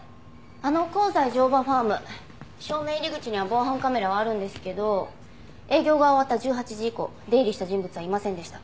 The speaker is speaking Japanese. あの香西乗馬ファーム正面入り口には防犯カメラはあるんですけど営業が終わった１８時以降出入りした人物はいませんでした。